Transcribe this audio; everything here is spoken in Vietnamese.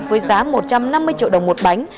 với giá một trăm năm mươi triệu đồng một bánh